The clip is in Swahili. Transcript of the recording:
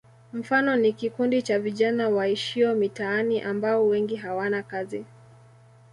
Mfano ni kikundi cha vijana waishio mitaani ambao wengi hawana kazi.